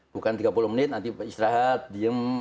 bukan tiga puluh menit nanti istirahat diem